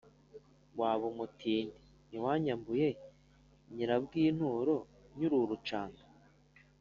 waba umutindi! Ntiwanyambuye Nyirabwinturo nkiri urucanda